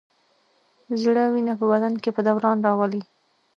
زړه وینه په بدن کې په دوران راولي.